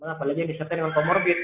apalagi yang disertai dengan comorbid